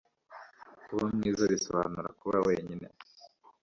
kuba mwiza bisobanura kuba wenyine